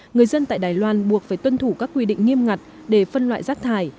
người dân tại đài loan buộc phải tuân thủ các quy định nghiêm ngặt để phân loại rác thải